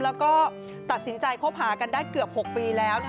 แล้วก็ตัดสินใจคบหากันได้เกือบ๖ปีแล้ว